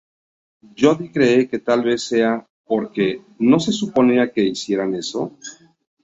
Jodie cree que tal vez sea porque "No se suponía que hicieran eso".